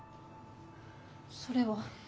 それは。